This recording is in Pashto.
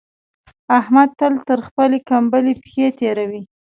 احمد تل تر خپلې کمبلې پښې تېروي.